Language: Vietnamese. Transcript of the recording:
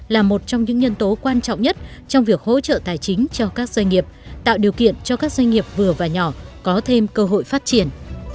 là một trong những nhân tố quan trọng nhất trong việc hỗ trợ tài chính cho các doanh nghiệp tạo điều kiện cho các doanh nghiệp vừa và nhỏ có thêm cơ hội phát triển